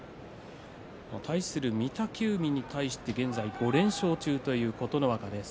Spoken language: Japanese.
対する御嶽海に対して現在５連勝中という琴ノ若です。